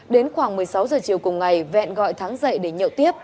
đến khoảng một mươi sáu giờ chiều cùng ngày vẹn gọi thắng dậy để nhậu tiếp